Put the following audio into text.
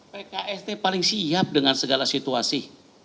pks paling siap dengan segala situasi